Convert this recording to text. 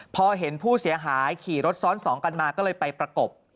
พอเห็นผู้เสียหายขี่รถซ้อนสองกันมาก็เลยไปประกบ